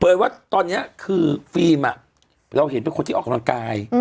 ว่าตอนนี้คือฟิล์มเราเห็นเป็นคนที่ออกกำลังกาย